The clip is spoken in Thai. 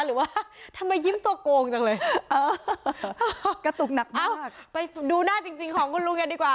หรือว่าทำไมยิ้มตัวโกงจังเลยเออข้าวดูหน้าจริงจริงของคุณลุงกันดีกว่า